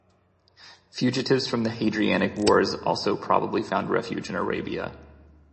Fugitives from the Hadrianic wars also probably found refuge in Arabia.